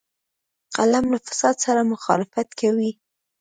قلم له فساد سره مخالفت کوي